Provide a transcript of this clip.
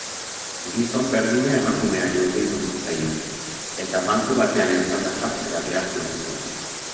Gizon berdina emakumeari hurbildu zitzaion eta banku batean etzanda jartzera behartu nahi zuen.